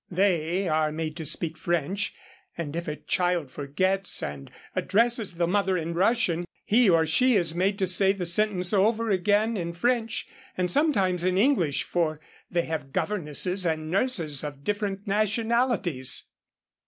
They are made to speak French, and if a child forgets and addresses the mother in Russian, he or she is made to say the sentence over again in French, and sometimes in English, for they have governesses and nurses of different nationalities.